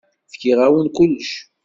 Fkiɣ-awen kullec.